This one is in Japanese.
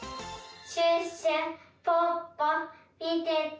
シュッシュポッポみてて。